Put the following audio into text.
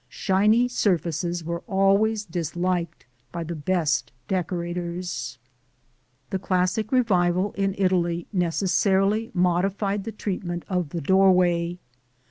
Shiny surfaces were always disliked by the best decorators. The classic revival in Italy necessarily modified the treatment of the doorway.